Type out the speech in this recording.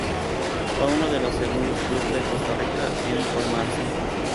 Fue uno de los segundos clubes de Costa Rica en formarse.